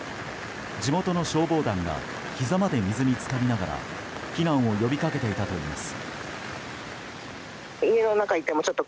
地元の消防団がひざまで水に浸かりながら避難を呼びかけていたといいます。